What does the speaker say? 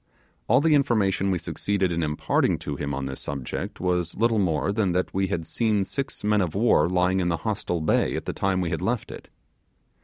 All the information we succeeded in imparting to him on this subject was little more than that we had seen six men of war lying in the hostile bay at the time we had left it.